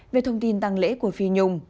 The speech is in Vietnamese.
về thông tin tăng lễ của phi nhung